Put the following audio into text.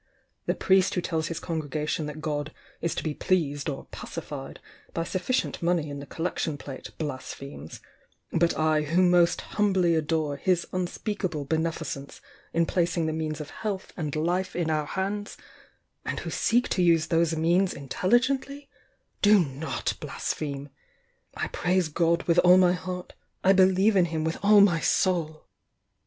The priest who tells his conju gation that God is to be pleased or pacified by sufficient money in the collection plate blasphemes, — but I who most humbly adore His unspeakable Beneficence in placing the means of health and life in our hands, and who seek to use those means in telligently, do not blaspheme ! I praise God with all my heart, — I believe in Him with all my soul!"